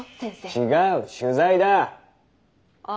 違う取材だッ。